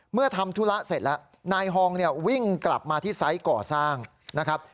เมื่อทำธุระเสร็จแล้วนายฮองวิ่งกลับมาที่ใส่เกาะสร้างนะครับ